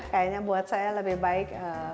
kayaknya buat saya lebih baik